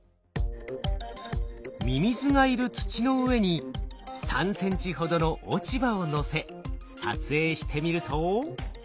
ミミズがいる土の上に３センチほどの落ち葉を載せ撮影してみると。